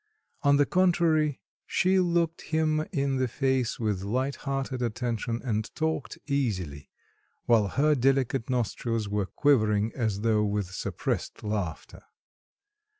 On the contrary, she looked him in the face with light hearted attention and talked easily, while her delicate nostrils were quivering as though with suppressed laughter.